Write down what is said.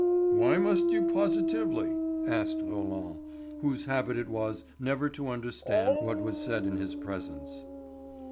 "Why must you positively?" asked Roland, whose habit it was never to understand what was said in his presence.